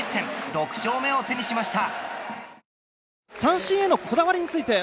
６勝目を手にしました。